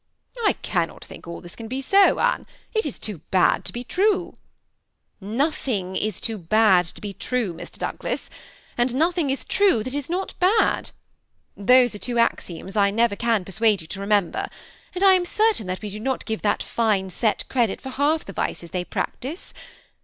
^ I cannot think all this can be so, Anne ; it is too bad to be true. '* Nothing is too bad to be true, Mr. Douglas, and nothing is true that is not bad. Those are two axioms I never can persuade you to remember ; and I am cer tain that we do not give that fine set credit for half the vices they practise.